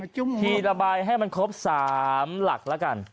ใช้มันครบ๓หลักและกัน